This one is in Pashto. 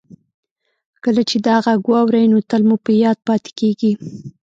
کله چې دا غږ واورئ نو تل مو په یاد پاتې کیږي